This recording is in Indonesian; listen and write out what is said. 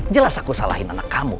jelas aku salahin anak kamu